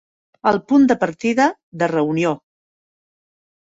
El punt de partida, de reunió.